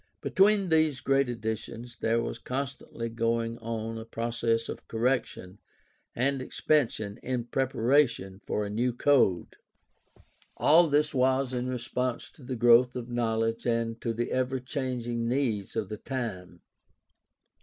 Between these great editions there was constantly going on a process of correction and expansion in preparation for a new code. All this was in response to the growth of knowledge and to the ever changing needs of the time.